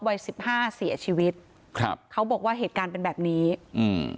วัยสิบห้าเสียชีวิตครับเขาบอกว่าเหตุการณ์เป็นแบบนี้อืม